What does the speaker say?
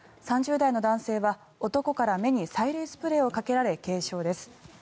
３０代の男性は男から目に催涙スプレーをかけられ軽傷です。